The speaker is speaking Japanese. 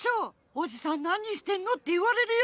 「おじさんなにしてんの？」っていわれるよ！